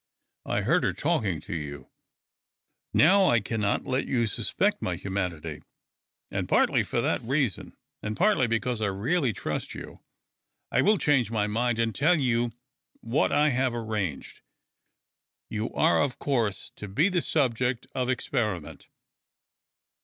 I heard her talking to you. Now I cannot let you suspect my humanity, and partly for that reason, and 316 THE OCTAVE OF CLAUDIUS. partly because I really trust you, I will change my mind and tell you wliat I have arranged. You are, of course, to be the subject of ex periment."